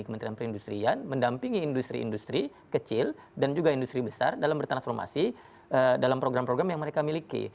kementerian perindustrian mendampingi industri industri kecil dan juga industri besar dalam bertransformasi dalam program program yang mereka miliki